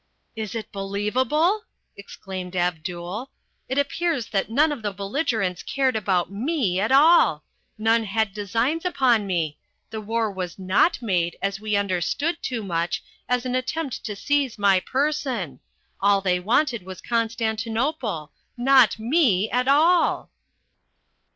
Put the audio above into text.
"Is it believable?" exclaimed Abdul. "It appears that none of the belligerents cared about me at all. None had designs upon me. The war was not made, as we understood, Toomuch, as an attempt to seize my person. All they wanted was Constantinople. Not me at all!"